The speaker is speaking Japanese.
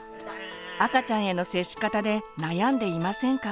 赤ちゃんへの接し方で悩んでいませんか？